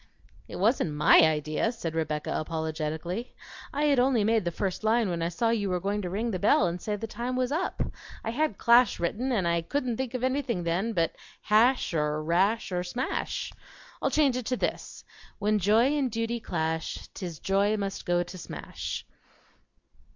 "It wasn't MY idea," said Rebecca apologetically. "I had only made the first line when I saw you were going to ring the bell and say the time was up. I had 'clash' written, and I couldn't think of anything then but 'hash' or 'rash' or 'smash.' I'll change it to this: When Joy and Duty clash, 'T is Joy must go to smash."